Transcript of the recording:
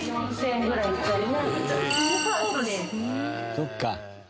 そっか。